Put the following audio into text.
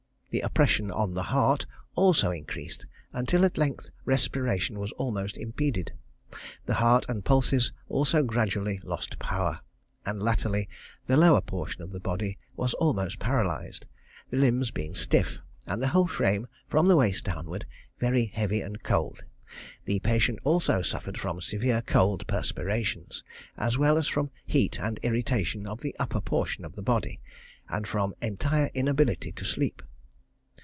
The opression on the heart also increased, until at length respiration was almost impeded. The heart and pulses also gradually lost power, and latterly the lower portion of the body was almost paralysed, the limbs being stiff, and the whole frame, from the waist downward, very heavy and cold. The patient also suffered from severe cold perspirations, as well as from heat and irritation of the upper portion of the body, and from entire inability to sleep.